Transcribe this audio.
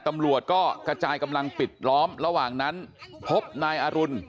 ตำรวจก็กระจายกำลังปิดล้อมระหว่างนั้นพบนายอรุณ